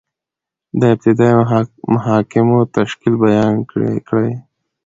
د ابتدائیه محاکمو تشکیل بیان کړئ؟